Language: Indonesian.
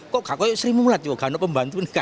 kok kakak sri mulat nggak ada pembantu ya itu